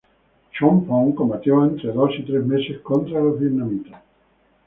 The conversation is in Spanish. Chorn-Pond combatió entre dos y tres meses contra los vietnamitas.